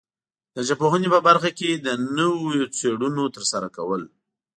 د ژبپوهنې په برخه کې د نویو څېړنو ترسره کول